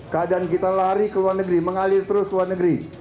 keadaan kita lari ke luar negeri mengalir terus ke luar negeri